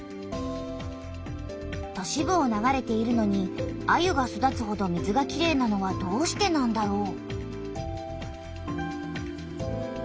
都市部を流れているのにアユが育つほど水がきれいなのはどうしてなんだろう？